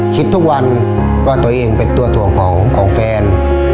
คิดทุกวันว่าตัวเองเป็นตัวถ่วงของแฟน